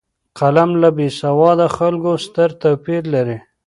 قلم له بېسواده خلکو ستر توپیر لري